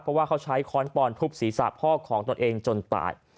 เพราะว่าเขาใช้ค้อนปอนทุบศีรษะพ่อของตนเองจนตาย